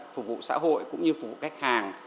phục vụ xã hội cũng như phục vụ khách hàng